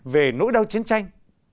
về nỗi đau chiến tranh